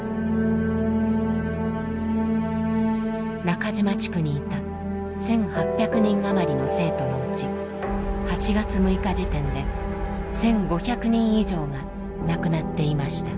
中島地区にいた１，８００人余りの生徒のうち８月６日時点で１，５００人以上が亡くなっていました。